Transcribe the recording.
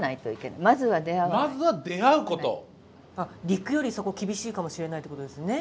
陸よりそこ厳しいかもしれないってことですね。